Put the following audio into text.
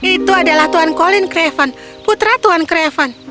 itu adalah tuan colin craven putra tuan craven